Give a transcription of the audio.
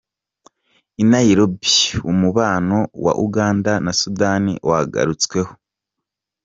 I Nairobi, umubano wa Uganda na Sudan wagarutsweho.